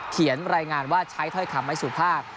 เขียนรายงานว่าใช้ถ้อยคำไม่สุภาพ